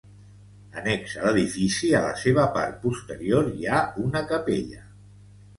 Annex a l'edifici, a la seva part posterior hi ha una capella.